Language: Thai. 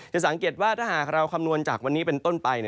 จะสังเกตว่าถ้าหากเราคำนวณจากวันนี้เป็นต้นไป